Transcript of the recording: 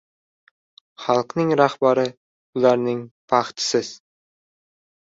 • Xalqning rahbari — ularning eng baxtsizi.